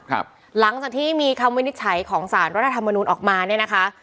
หลังจากที่มีคำวินิจฉัยของสารรัฐธรรมนุนออกมาเนี่ยนะคะ